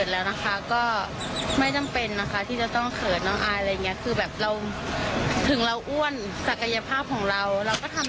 แล้วเราก็ทำสิ่งดีให้กับสังคมค่ะ